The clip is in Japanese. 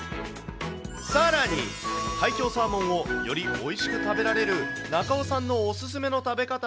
さらに、海峡サーモンをよりおいしく食べられる、中尾さんのお勧めの食べ